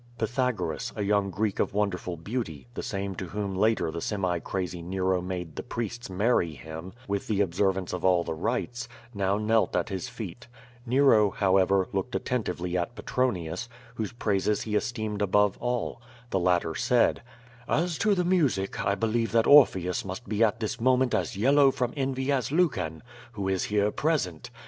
Pythagoras, a young Greek of wonderful beauty, the same to whom later the semi crazy Nero made the prieste marry him, with the observance of all the rites, now knelt at his feet. Nero, however, looked attentively at Pe tronius, whose praises he esteemed above all. The latter said: "As to the music, I believe that Orpheus must be at this moment as yellow from envy as Lucan, who is here present.